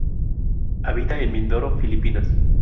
Habita en Mindoro Filipinas.